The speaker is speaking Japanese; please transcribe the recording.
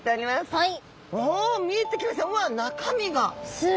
はい！